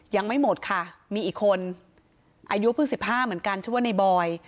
ยังไม่หมดค่ะมีอีกคนอายุเพิ่ง๑๕เหมือนกันชื่อว่าในบอย